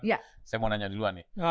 saya mau nanya duluan nih